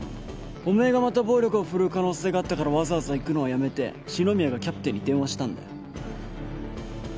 お前がまた暴力を振るう可能性があったからわざわざ行くのはやめて紫宮がキャプテンに電話したんだよ。